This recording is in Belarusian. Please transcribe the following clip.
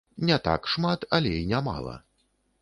Не так шмат, але і нямала!